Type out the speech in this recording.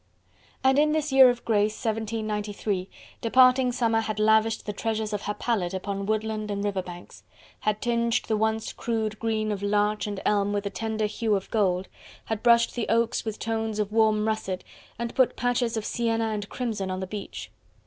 And in this year of grace 1793, departing summer had lavished the treasures of her palette upon woodland and river banks; had tinged the once crude green of larch and elm with a tender hue of gold, had brushed the oaks with tones of warm russet, and put patches of sienna and crimson on the beech.